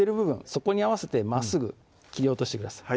そこに合わせてまっすぐ切り落としてください